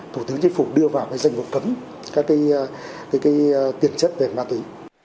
thủ tướng chính phủ đưa vào cái danh vực cấm các cái tiền chất về ma túy